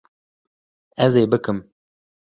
Ez ê bikim